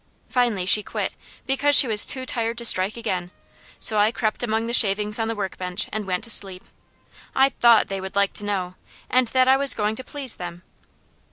Finally she quit, because she was too tired to strike again, so I crept among the shavings on the work bench and went to sleep. I THOUGHT they would like to know, and that I was going to please them.